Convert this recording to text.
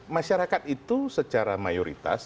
masyarakat itu secara mayoritas